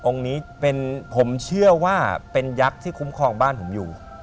นี้เป็นผมเชื่อว่าเป็นยักษ์ที่คุ้มครองบ้านผมอยู่